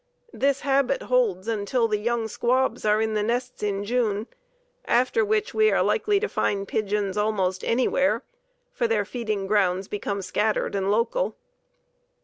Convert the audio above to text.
This habit holds until the young squabs are in the nests in June, after which we are likely to find pigeons almost anywhere, for their feeding grounds become scattered and local.